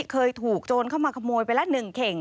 เคยถูกโจรเข้ามาขโมยไปละ๑เข่ง